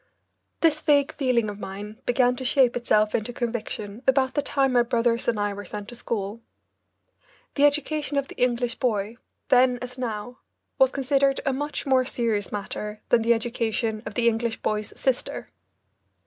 This vague feeling of mine began to shape itself into conviction about the time my brothers and I were sent to school. The education of the English boy, then as now, was considered a much more serious matter than the education of the English boy's sister.